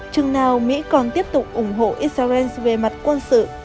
chừng nào mỹ còn tiếp tục ủng hộ israel về mặt quân sự